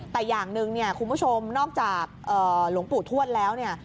แต่อย่างหนึ่งเนี่ยคุณผู้ชมนอกจากหลวงปู่ทวดแล้วเนี่ย